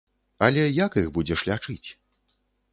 Але як іх будзеш лячыць?